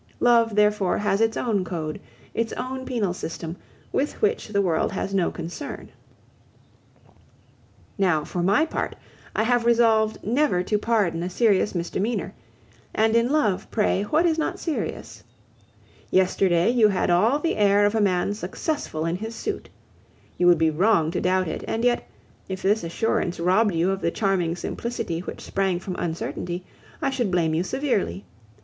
Love, therefore, has its own code, its own penal system, with which the world has no concern. Now, for my part, I have resolved never to pardon a serious misdemeanor, and in love, pray, what is not serious? Yesterday you had all the air of a man successful in his suit. You would be wrong to doubt it; and yet, if this assurance robbed you of the charming simplicity which sprang from uncertainty, I should blame you severely.